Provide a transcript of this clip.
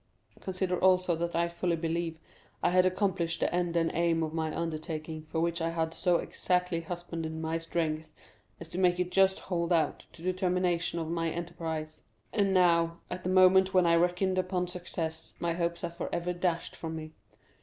Consider also that I fully believed I had accomplished the end and aim of my undertaking, for which I had so exactly husbanded my strength as to make it just hold out to the termination of my enterprise; and now, at the moment when I reckoned upon success, my hopes are forever dashed from me.